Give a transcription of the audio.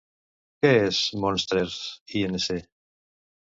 Què és Monsters, Inc.?